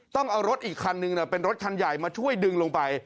ต้องเอารถอีกคันนึงเป็นรถคันใหญ่มาช่วยดึงลงไป